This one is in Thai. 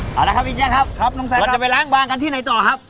เอาละครับพี่แจ๊คครับเราจะไปล้างบางกันที่ไหนต่อครับ